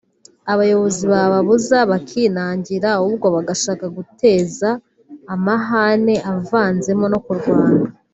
ubuyobozi bwababuza bakinangira ahubwo bagashaka guteza amahane avanzemo no kurwana